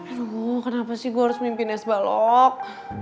aduh kenapa sih gue harus mimpiin es balok